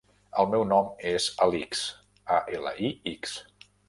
El meu nom és Alix: a, ela, i, ics.